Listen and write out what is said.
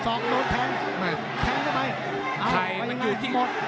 แข็งเข้าไปอ้าวว่ายังไงหมด